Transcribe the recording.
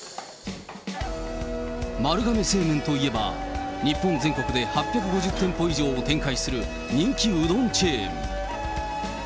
丸亀製麺といえば、日本全国で８５０店舗以上を展開する人気うどんチェーン。